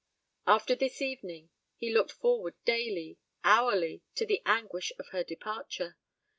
After this evening he looked forward daily, hourly, to the anguish of her departure.